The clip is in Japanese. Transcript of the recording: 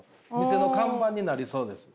店の看板になりそうです。